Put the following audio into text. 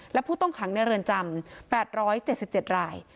และผู้ต้องขังในเรือนจำ๘๗๗ราย